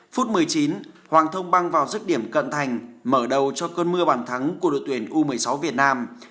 phút một mươi chín hoàng thông băng vào dứt điểm cận thành mở đầu cho cơn mưa bàn thắng của đội tuyển u một mươi sáu việt nam